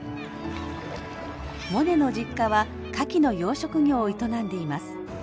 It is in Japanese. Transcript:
モネの実家はカキの養殖業を営んでいます。